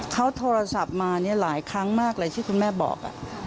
เขาโทรศัพท์มาหลายครั้งมากเลยที่คุณแม่บอก